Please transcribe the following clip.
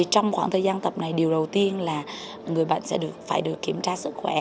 trong khoảng thời gian tập này điều đầu tiên là người bệnh sẽ được phải được kiểm tra sức khỏe